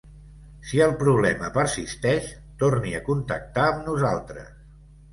Si el problema persisteix torni a contactar amb nosaltres.